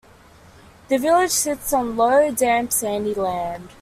The village sits on low, damp, sandy land.